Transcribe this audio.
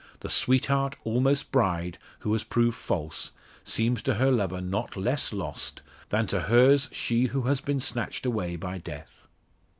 The sweetheart, almost bride, who has proved false, seems to her lover not less lost, than to hers she who has been snatched away by death!